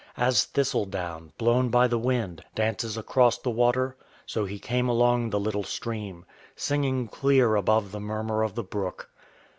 As thistle down, blown by the wind, dances across the water, so he came along the little stream, singing clear above the murmur of the brook.